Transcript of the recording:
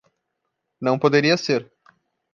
Não poderia ser